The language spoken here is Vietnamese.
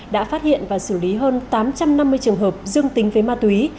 đã phát hiện và xử lý hơn tám trăm năm mươi trường hợp dương tính với ma túy